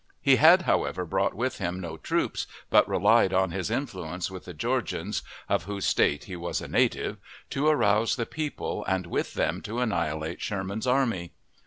He had, however, brought with him no troops, but relied on his influence with the Georgians (of whose State he was a native) to arouse the people, and with them to annihilate Sherman's army!